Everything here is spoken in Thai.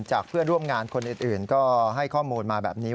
เพื่อนร่วมงานคนอื่นก็ให้ข้อมูลมาแบบนี้